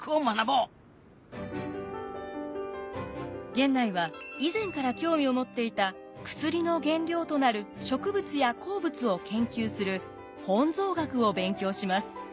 源内は以前から興味を持っていた薬の原料となる植物や鉱物を研究する本草学を勉強します。